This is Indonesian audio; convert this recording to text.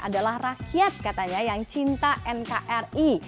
adalah rakyat katanya yang cinta nkri